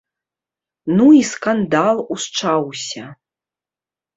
Ну і скандал усчаўся.